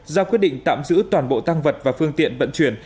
ra quyết định tạm giữ toàn bộ tăng vật và phương tiện vận chuyển